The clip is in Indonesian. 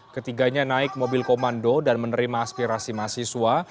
ketiganya naik mobil komando dan menerima aspirasi mahasiswa